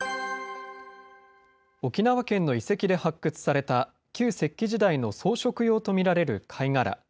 沖縄県の遺跡で発掘された、旧石器時代の装飾用と見られる貝殻。